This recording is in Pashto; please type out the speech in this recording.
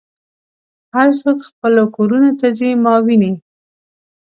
هر څوک خپلو کورونو ته ځي ما وینې.